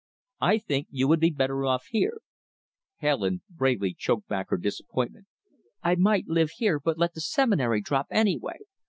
"I think you would be better off here." Helen bravely choked back her disappointment. "I might live here, but let the Seminary drop, anyway.